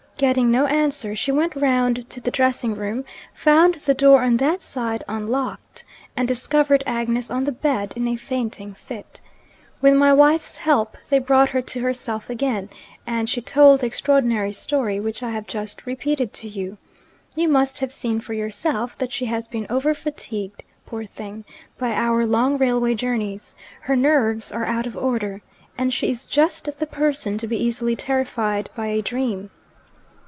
Getting no answer, she went round to the dressing room found the door on that side unlocked and discovered Agnes on the bed in a fainting fit. With my wife's help, they brought her to herself again; and she told the extraordinary story which I have just repeated to you. You must have seen for yourself that she has been over fatigued, poor thing, by our long railway journeys: her nerves are out of order and she is just the person to be easily terrified by a dream.